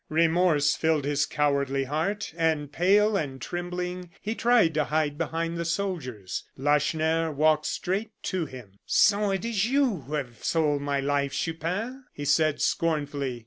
Remorse filled his cowardly heart, and pale and trembling, he tried to hide behind the soldiers. Lacheneur walked straight to him. "So it is you who have sold my life, Chupin?" he said, scornfully.